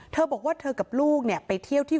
เธอบอกว่าเธอกับลูกเนี่ยไปเที่ยวที่